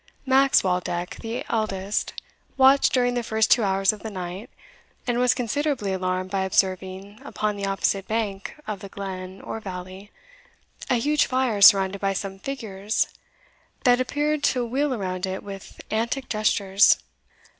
Max Waldeck, the eldest, watched during the first two hours of the night, and was considerably alarmed by observing, upon the opposite bank of the glen, or valley, a huge fire surrounded by some figures that appeared to wheel around it with antic gestures.